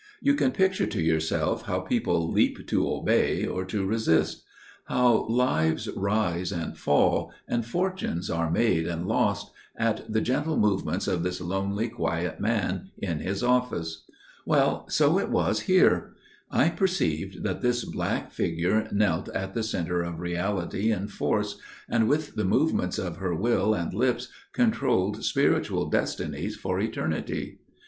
You can picture to yourself how people leap to obey or to resist––how lives rise and fall, and fortunes are made and lost, at the gentle movements of this lonely quiet man in his office. Well, so it was here. I perceived that this black figure knelt at the centre of reality and force, and with the movements of her will and lips controlled spiritual destinies for eternity.